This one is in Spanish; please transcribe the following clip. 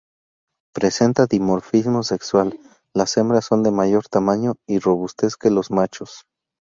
Presenta dimorfismo sexual, las hembras son de mayor tamaño y robustez que los machos.